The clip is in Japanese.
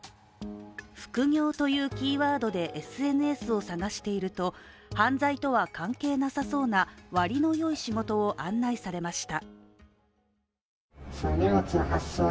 副業というキーワードでＳＮＳを探していると犯罪とは関係なさそうな割のよい仕事を案内されました。